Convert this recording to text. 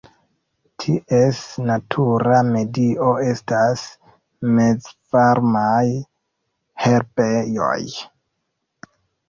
Ties natura medio estas mezvarmaj herbejoj.